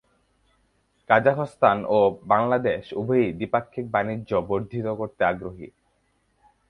কাজাখস্তান ও বাংলাদেশ উভয়েই দ্বিপাক্ষিক বাণিজ্য বর্ধিত করতে আগ্রহী।